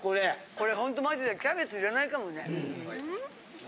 これホントマジでキャベツいらないかもね。